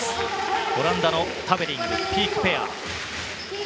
オランダのタベリング、ピークペア。